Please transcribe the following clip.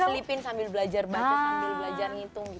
kadang diselipin sambil belajar baca sambil belajar ngitung gitu